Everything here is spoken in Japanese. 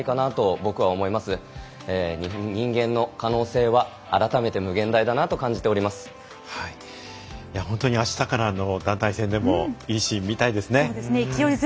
僕は人間の可能性は改めて本当に、あしたからの団体戦でもいいシーンを見たいですね。